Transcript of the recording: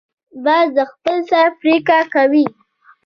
باز د خپل سر پریکړه کوي